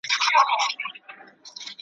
ورځي به توري شپې به ا وږدې وي ,